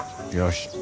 よし。